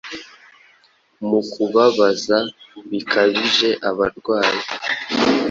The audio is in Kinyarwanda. Mu kubabaza bikabije abarwayi